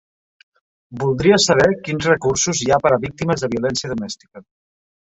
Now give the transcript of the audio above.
Voldria saber quins recursos hi ha per a víctimes de violència domèstica.